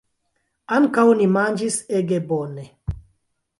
Ankaŭ ni manĝis ege bone!